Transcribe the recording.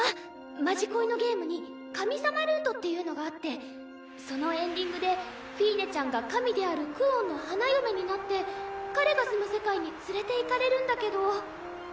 「まじこい」のゲームに神様ルートっていうのがあってそのエンディングでフィーネちゃんが神であるクオンの花嫁になって彼が住む世界に連れていかれるんだけど。